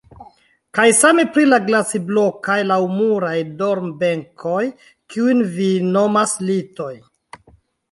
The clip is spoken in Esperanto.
Kaj same pri la glaciblokaj laŭmuraj dormbenkoj, kiujn vi nomas litoj.